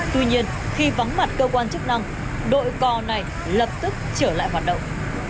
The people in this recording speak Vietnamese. tuy nhiên khi vắng mặt cơ quan chức năng đội cò này lập tức trở lại hoạt động